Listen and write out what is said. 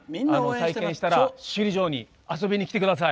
再建したら、首里城に遊びに来てください。